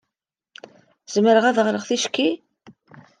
Zemreɣ ad d-ɣreɣ ticki?